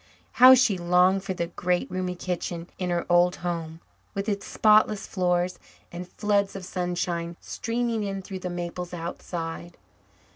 How she longed for the great, roomy kitchen in her old home, with its spotless floors and floods of sunshine streaming in through the maples outside.